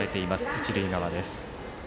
一塁側です。